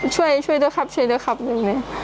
ช่วยช่วยด้วยครับช่วยด้วยครับหนึ่งเลย